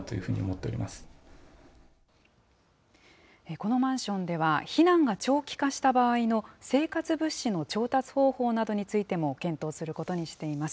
このマンションでは、避難が長期化した場合の生活物資の調達方法などについても検討することにしています。